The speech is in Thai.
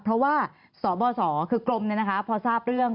เพราะว่าสบสคือกรมพอทราบเรื่อง